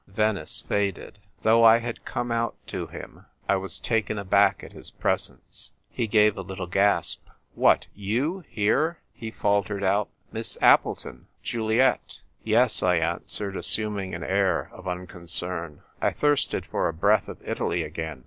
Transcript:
Venice faded. Though I had come out to him, I was taken aback at his presence. He gave a little gasp. " What, you here," he faltered out —" Miss Appleton — Juliet ?" "Yes," I answered assuming an air of uncon cern ;" I thirsted for a breath of Italy again.